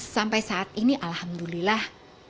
sampai saat ini alhamdulillah